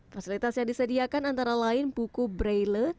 fasilitas yang disediakan antara lain buku braille